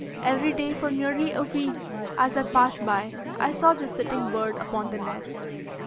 Every day for nearly a week, as I passed by I saw the sitting bird upon the nest.